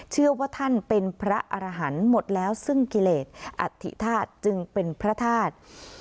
เชื่อว่าท่านเป็นพระอรหันต์หมดแล้วซึ่งกิเลสอัฐิธาตุจึงเป็นพระธาตุ